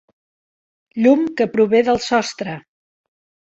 Llum que prové del sostre.